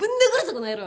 この野郎！